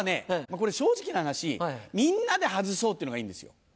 これ正直な話みんなで外そうっていうのがいいんですよ。